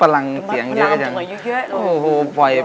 ลำสีมาเยอะ